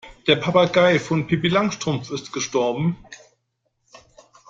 Der Papagei von Pippi Langstrumpf ist gestorben.